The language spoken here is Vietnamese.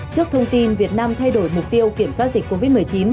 trước thông tin việt nam thay đổi mục tiêu kiểm soát dịch covid một mươi chín